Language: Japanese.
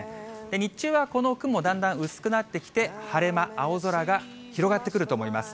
日中はこの雲、だんだん薄くなってきて、晴れ間、青空が広がってくると思います。